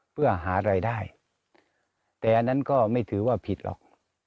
เพื่อหารายได้แต่อันนั้นก็ไม่ถือว่าผิดหรอก